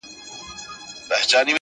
سپی په مخ کي سي د لاري رهنما سي -